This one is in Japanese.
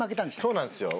そうなんですよ。